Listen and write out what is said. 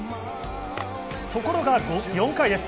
ところが４回です。